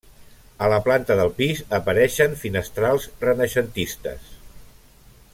A la planta del pis apareixen finestrals renaixentistes.